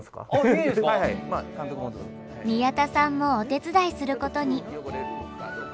宮田さんもお手伝いすることに。